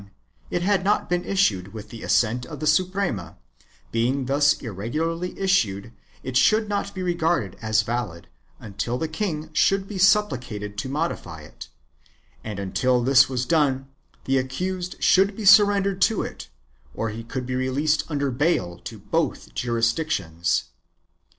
As for the recent letter of 1659, it had not been issued with the assent of the Suprema; being thus irregularly issued it should not be regarded as valid, until the king should be supplicated to modify it, and until this was done the accused should be surrendered to it or he could be released under bail to both jurisdictions.